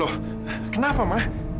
loh kenapa ma